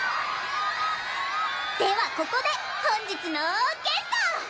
ではここで本日のゲスト！